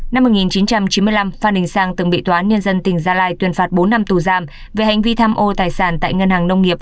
năm một nghìn chín trăm chín mươi năm phan đình sang từng bị đối tượng phản động